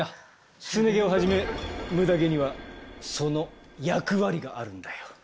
すね毛をはじめムダ毛にはその役割があるんだよ。